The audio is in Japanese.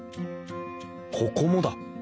ここもだ。